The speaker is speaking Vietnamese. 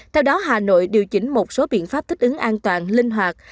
theo đó hà nội điều chỉnh một số biện pháp thích ứng an toàn linh hoạt